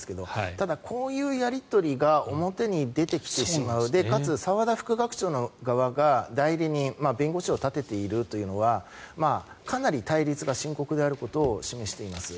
ただ、こういうやり取りが表に出てきてしまうかつ澤田副学長の側が代理人、弁護士を立てているというのはかなり対立が深刻であることを示しています。